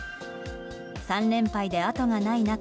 ３連敗で後がない中